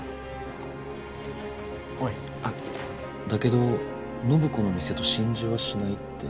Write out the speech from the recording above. だけど暢子の店と心中はしないって。